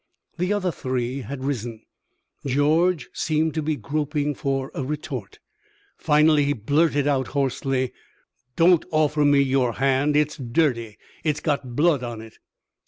The other three had risen. George seemed to be groping for a retort. Finally he blurted out, hoarsely: "Don't offer me your hand. It's dirty! It's got blood on it!"